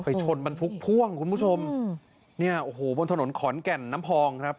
ชนบรรทุกพ่วงคุณผู้ชมเนี่ยโอ้โหบนถนนขอนแก่นน้ำพองครับ